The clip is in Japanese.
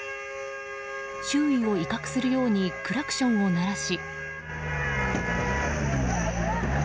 周囲を威嚇するようにクラクションを鳴らし。